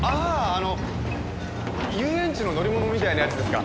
あの遊園地の乗り物みたいなやつですか。